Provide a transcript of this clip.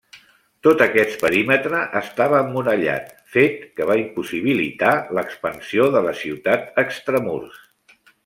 Tot aquest perímetre estava emmurallat, fet que va impossibilitar l'expansió de la ciutat extramurs.